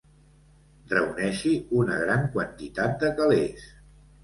Reuneixi una gran quantitat de calés.